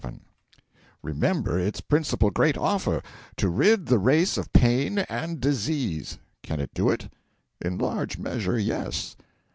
VII Remember its principal great offer: to rid the Race of pain and disease. Can it do it? In large measure, yes.